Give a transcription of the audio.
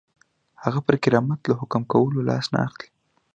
هغه پر کرامت له حکم کولو لاس نه اخلي.